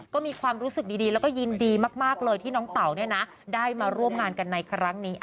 ก็มีความรู้สึกดีแล้วก็ยินดีมากเลยที่น้องเต๋าได้มาร่วมงานกันในครั้งนี้